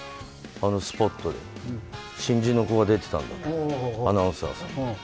あのスポットで新人の子が出てたのアナウンサーさん。